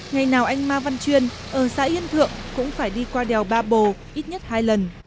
ngày nào anh ma văn chuyên ở xã yên thượng cũng phải đi qua đèo ba bồ ít nhất hai lần